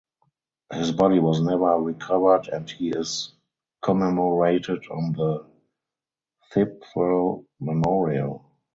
His body was never recovered and he is commemorated on the Thiepval Memorial.